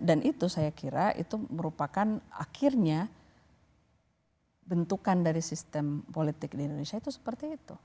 dan itu saya kira itu merupakan akhirnya bentukan dari sistem politik di indonesia itu seperti itu